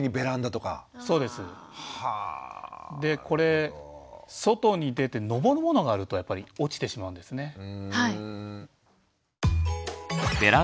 これ外に出て登るものがあるとやっぱり落ちてしまうんですね。